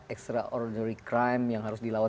extraordinary crime yang harus dilakukan